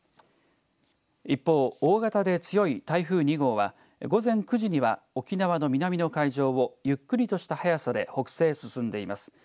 一方、大型で強い台風２号は午前９時には、沖縄の南の海上をゆっくりとした速さで北西へ進んでいます。